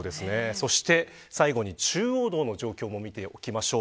そして最後に、中央道の状況も見ておきましょう。